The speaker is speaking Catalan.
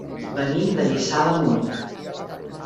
Venim de Lliçà d'Amunt.